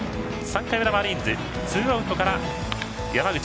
３回の裏、マリーンズツーアウトから山口。